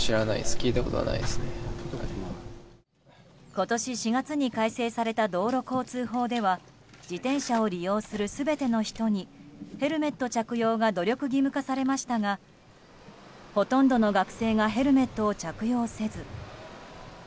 今年４月に改正された道路交通法では自転車を利用する全ての人にヘルメット着用が努力義務化されましたがほとんどの学生がヘルメットを着用せず。